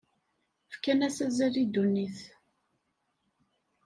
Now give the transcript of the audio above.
Fkan-as azal i ddunit.